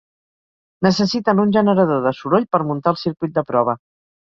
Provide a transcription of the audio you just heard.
Necessiten un generador de soroll per muntar el circuit de prova.